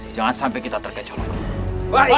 jangan sampai kita terkecoh lagi